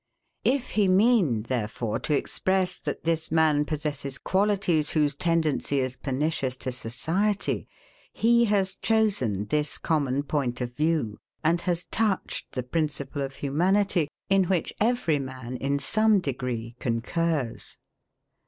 If he mean, therefore, to express that this man possesses qualities, whose tendency is pernicious to society, he has chosen this common point of view, and has touched the principle of humanity, in which every man, in some degree, concurs.